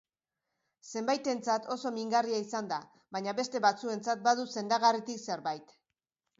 Zenbaitentzat oso mingarria izan da, baina beste batzuentzat badu sendagarritik zerbait.